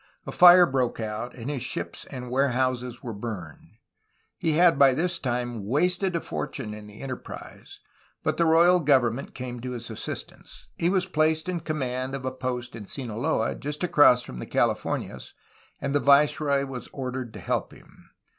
A fire broke out, and his ships and warehouses were burned. He had by this time wasted a fortune in the enterprise, but the royal government came to his assistance. He was placed in command of a post in Sinaloa, just across from the Californias, and the viceroy was ordered to help him.